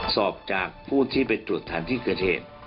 สอบจากผู้ที่ไปตรวจฐานที่เกิดเหตุ